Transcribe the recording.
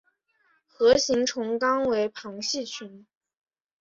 核形虫纲为旁系群。